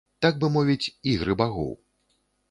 Так бы мовіць, ігры багоў.